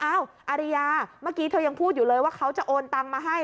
อาริยาเมื่อกี้เธอยังพูดอยู่เลยว่าเขาจะโอนตังมาให้